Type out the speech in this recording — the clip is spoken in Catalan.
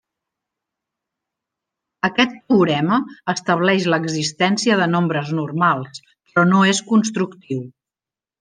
Aquest teorema estableix l'existència de nombres normals, però no és constructiu.